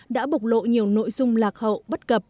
đã bộc lộ nhiều nội dung là